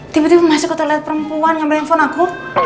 tiba tiba masuk ke toilet perempuan mengambil handphone aku